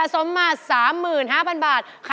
สนุกมากนะคะ